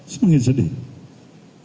semakin sedih lagi kita